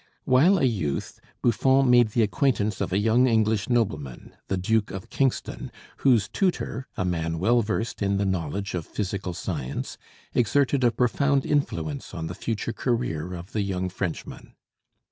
While a youth Buffon made the acquaintance of a young English nobleman, the Duke of Kingston, whose tutor, a man well versed in the knowledge of physical science, exerted a profound influence on the future career of the young Frenchman.